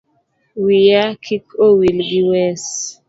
Wiya kik owil gi wes